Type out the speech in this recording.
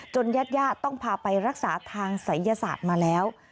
ญาติญาติต้องพาไปรักษาทางศัยศาสตร์มาแล้ว